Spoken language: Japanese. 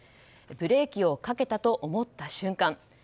ブレーキをかけたと思った瞬間